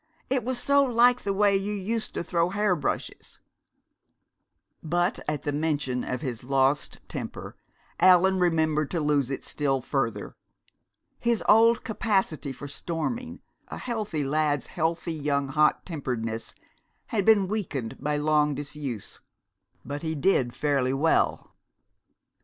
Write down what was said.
It was so like the way you used to throw hair brushes " But at the mention of his lost temper Allan remembered to lose it still further. His old capacity for storming, a healthy lad's healthy young hot temperedness, had been weakened by long disuse, but he did fairly well.